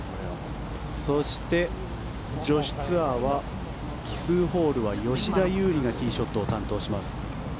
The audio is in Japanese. そして、女子ツアーは奇数ホールは吉田優利がティーショットを担当します。